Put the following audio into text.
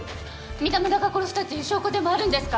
三田村が殺したっていう証拠でもあるんですか？